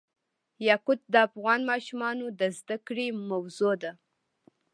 یاقوت د افغان ماشومانو د زده کړې موضوع ده.